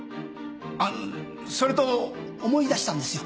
あっそれと思い出したんですよ。